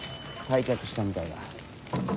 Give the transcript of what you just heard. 退却したみたいだ。